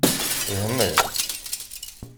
Hmej!